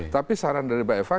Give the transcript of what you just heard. tapi saran dari mbak eva